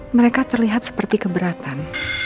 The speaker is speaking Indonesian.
mereka terlihat seperti keberatan